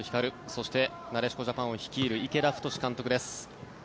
そして、なでしこジャパンを率いる池田太監督です。